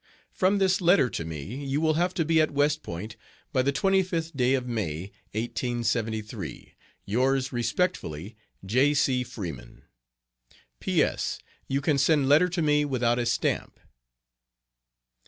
From this letter to me you will have to be at West Point by the 25th day of May, 1873. Yours respectfully, J. C. FREEMAN. P.S. You can send letter to me without a stamp.